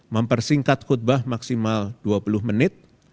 mempersingkat khutbah maksimal dua puluh menit